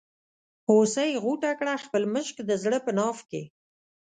هوسۍ غوټه کړه خپل مشک د زړه په ناف کې.